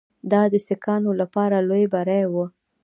دا د سیکهانو لپاره لوی بری وو.